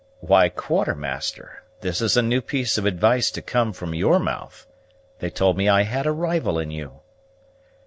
"Why, Quartermaster, this is a new piece of advice to come from your mouth. They've told me I had a rival in you."